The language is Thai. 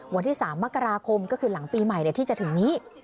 วันที่๓มกราคมก็คือหลังปีใหม่ที่จะถึงนี้